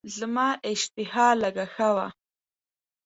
زما اشتها لږه ښه وه.